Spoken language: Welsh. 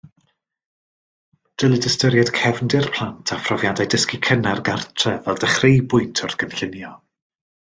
Dylid ystyried cefndir plant a phrofiadau dysgu cynnar gartref fel dechreubwynt wrth gynllunio.